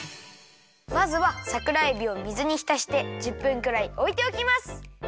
まずはさくらえびを水にひたして１０分くらいおいておきます。